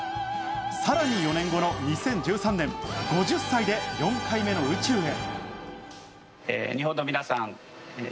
さらに４年後の２０１３年、５０歳で４回目の宇宙へ。